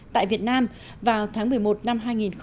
tại việt nam vào tháng một mươi một năm hai nghìn một mươi chín